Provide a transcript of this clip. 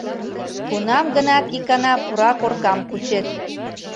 Кунам-гынат икана пура коркам кучет.